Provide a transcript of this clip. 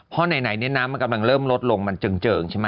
เพราะไหนเนี่ยน้ำมันกำลังเริ่มลดลงมันเจิงใช่ไหม